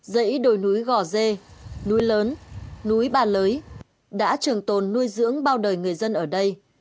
dãy đồi núi gò dê núi lớn núi bà lưới đã trường tồn nuôi dưỡng bao đời người dân ở đây